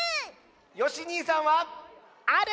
よしにいさんは⁉ある！